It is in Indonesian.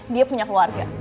dia punya keluarga